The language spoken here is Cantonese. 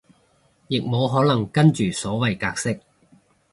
亦無可能跟住所謂格式